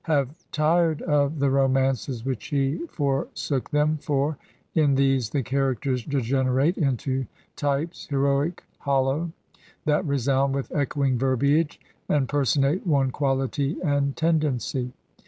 have tired of the romances which he forsook them for In these the characters degenerate into types, heroic, hollow, that resoimd with echoing verbiage, and per sonate one quality and tendency.